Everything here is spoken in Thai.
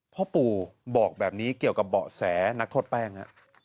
พ่อปู่บอกแบบนี้เกี่ยวกับเบาะแสนักโทษแป้งฮะ